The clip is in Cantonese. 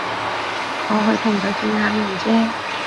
我去同佢見下面啫